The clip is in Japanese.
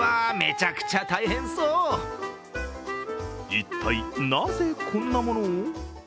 一体なぜこんなものを？